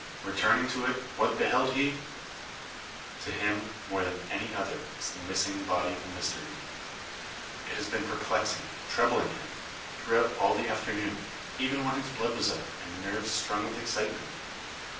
Returning to it, what beheld he? To him, more than any other, is the missing body a mystery. It has been perplexing, troubling him, throughout all the afternoon, even when his blood was up, and nerves strung with excitement.